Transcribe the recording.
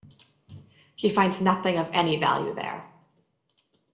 He finds nothing of any value there.